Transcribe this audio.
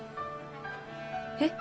えっ？